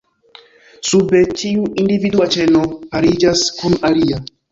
Sube, ĉiu individua ĉeno pariĝas kun alia.